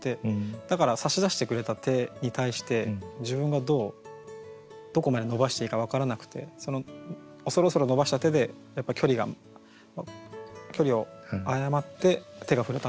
だから差し出してくれた手に対して自分がどうどこまで伸ばしていいか分からなくてその恐る恐る伸ばした手でやっぱ距離が距離を誤って手が触れたのかなって。